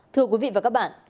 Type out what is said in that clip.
thưa quý vị và các bạn